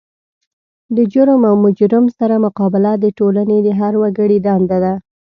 د جرم او مجرم سره مقابله د ټولنې د هر وګړي دنده ده.